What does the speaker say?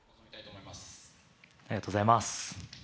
ありがとうございます。